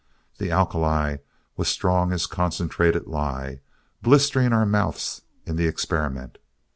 The alkali was strong as concentrated lye, blistering our mouths in the experiment.